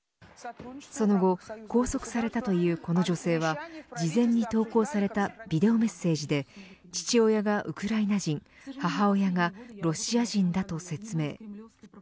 その後、拘束されたというこの女性は事前に投稿されたビデオメッセージで父親がウクライナ人母親がロシア人だと説明。